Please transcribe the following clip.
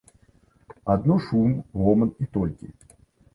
Адно шум, гоман, і толькі.